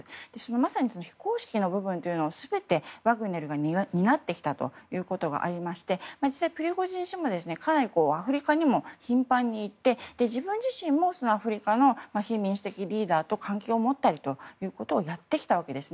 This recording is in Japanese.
まさに非公式の部分というのは全てワグネルが担ってきたということがありまして実際、プリゴジン氏もかなりアフリカにも頻繁に行って自分自身もアフリカの非民主的リーダーと関係を持ったりということをやってきたわけです。